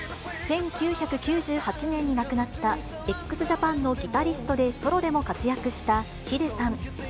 １９９８年に亡くなった、ＸＪＡＰＡＮのギタリストでソロでも活躍したｈｉｄｅさん。